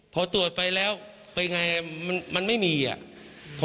พอตรวจไปแล้วไปไงมันไม่มีอ่ะ